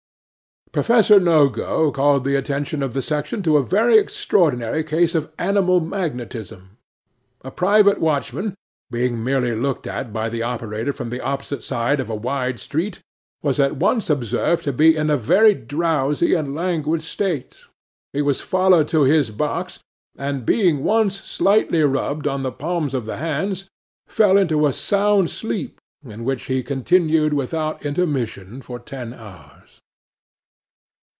'PROFESSOR NOGO called the attention of the section to a very extraordinary case of animal magnetism. A private watchman, being merely looked at by the operator from the opposite side of a wide street, was at once observed to be in a very drowsy and languid state. He was followed to his box, and being once slightly rubbed on the palms of the hands, fell into a sound sleep, in which he continued without intermission for ten hours.